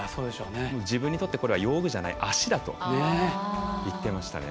自分にとってはこれは、用具じゃなくて足だといっていましたね。